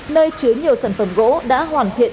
nơi chứa nhiều sản phẩm gỗ đã hoàn thiện